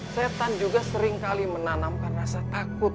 setan juga seringkali menanamkan rasa takut